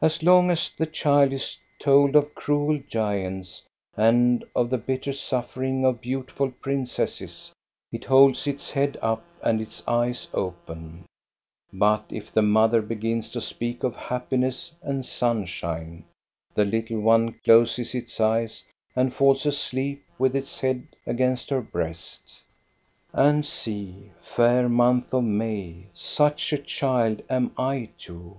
As long as the child is told of cruel giants and of the bitter suffering of beautiful princesses, it holds its head up and its eyes open ; but if the mother begins to speak of happiness and sunshine, the little one closes its eyes and falls asleep with its head against her breast. And see, fair month of May, such a child am I too.